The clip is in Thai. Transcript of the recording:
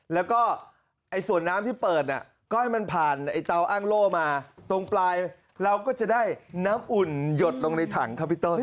แล้วก็ส่วนน้ำที่เปิดก็ให้มันผ่านไอ้เตาอ้างโล่มาตรงปลายเราก็จะได้น้ำอุ่นหยดลงในถังครับพี่เต้ย